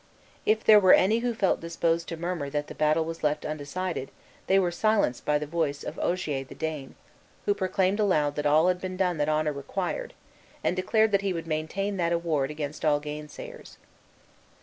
If there were any who felt disposed to murmur that the battle was left undecided they were silenced by the voice of Ogier the Dane, who proclaimed aloud that all had been done that honor required, and declared that he would maintain that award against all gainsayers.